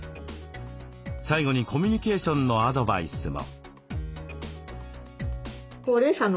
最後にコミュニケーションのアドバイスも。